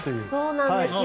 そうなんですよ。